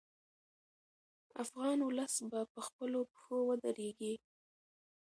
افغان ولس به په خپلو پښو ودرېږي.